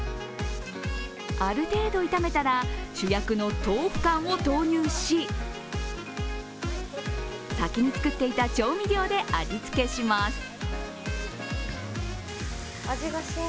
ある程度炒めたら、主役の豆腐干を投入し、先に作っていた調味料で味付けします。